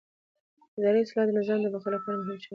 اداري اصلاح د نظام د بقا لپاره مهم شرط دی